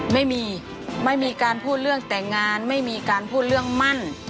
ไม่มีไม่มีการพูดเรื่องแต่งงานไม่มีการพูดเรื่องมั่น